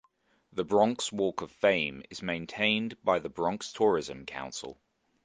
The Bronx Walk of Fame is maintained by the Bronx Tourism Council.